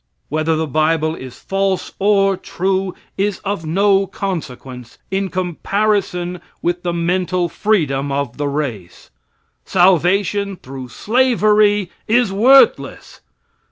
Whether the bible is false or true, is of no consequence in comparison with the mental freedom of the race. Salvation through slavery is worthless.